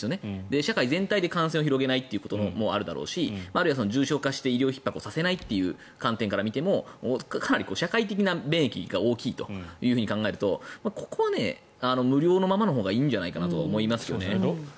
社会全体が感染を広げないということもあるでしょうしあるいは重症化して医療ひっ迫させないという観点からも社会的な免疫が大きいと考えるとここは無料のままのほうがいいんじゃないかなと思いますよね。